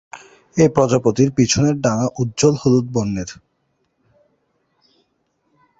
এই প্রজাপতির পিছনের ডানা উজ্জ্বল হলুদ বর্ণের।